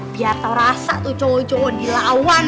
biar tahu rasa tuh cowok cowok dilawan